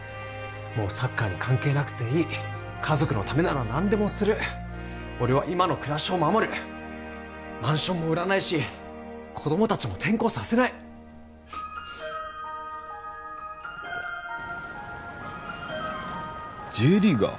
もうサッカーに関係なくていい家族のためなら何でもする俺は今の暮らしを守るマンションも売らないし子供達も転校させないＪリーガー？